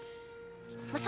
ih tuh liat kak